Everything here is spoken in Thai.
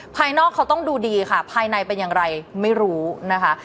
ภายนอกเขาต้องดูดีค่ะภายในเป็นอย่างไรไม่รู้นะคะ